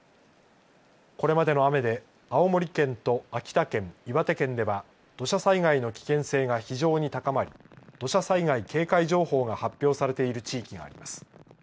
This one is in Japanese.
これまでの雨で青森県と秋田県、岩手県では土砂災害の危険性が非常に高まり土砂災害警戒情報が発表されている地域があります。